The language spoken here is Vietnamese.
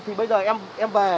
thì bây giờ em về